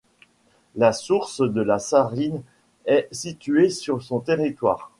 La source de la Sarine est située sur son territoire.